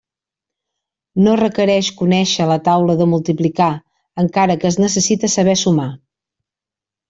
No requereix conèixer la taula de multiplicar, encara que es necessita saber sumar.